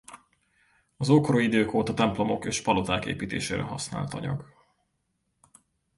Az ókori idők óta templomok és paloták építésére használt anyag.